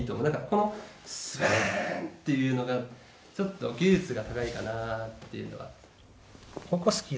このスバンっていうのがちょっと技術が高いかなっていうのが。